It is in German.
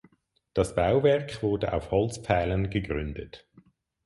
Das Bauwerk wurde auf Holzpfählen gegründet.